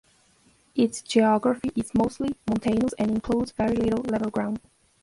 Its geography is mostly mountainous and includes very little level ground.